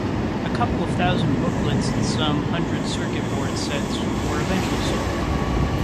A couple of thousand booklets and some hundred circuit board sets were eventually sold.